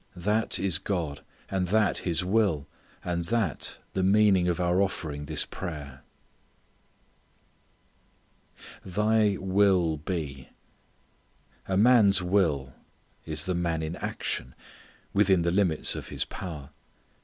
That is God, and that His will, and that the meaning of our offering this prayer. "Thy will be." A man's will is the man in action, within the limits of his power.